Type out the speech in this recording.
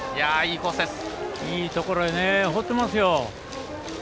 いいところに放ってますよ。